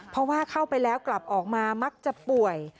เพราะว่าเข้าไปแล้วกลับออกมามักจะป่วย